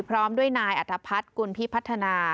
พร้อมด้วยนายอัฐพัฒน์กุลพิพัฒนา